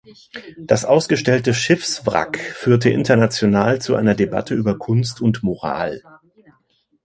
Das ausgestellte Schiffswrack führte international zu einer Debatte über Kunst und Moral.